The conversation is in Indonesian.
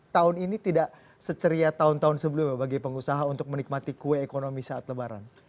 tahun ini tidak seceria tahun tahun sebelumnya bagi pengusaha untuk menikmati kue ekonomi saat lebaran